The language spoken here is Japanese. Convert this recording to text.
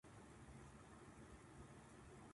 富士山は日本で最も高い山です。